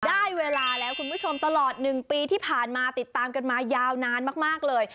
ได้เวลาแล้วคุณผู้ชมตลอด๑ปีที่ผ่านมาติดตามกันมายาวนานมากเลย